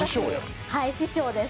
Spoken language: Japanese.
師匠です。